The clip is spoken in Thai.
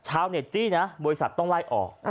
ชาวเน็ตจี้นะบริษัทต้องไล่ออก